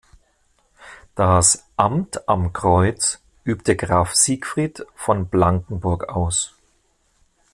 Das "Amt am Kreuz" übte Graf Siegfried von Blankenburg aus.